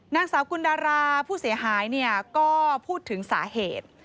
นางสาวกุลดาราผู้เสียหายก็พูดถึงสาเหตุ